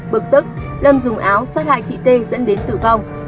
bực tức lâm dùng áo sát hại chị t dẫn đến tử vong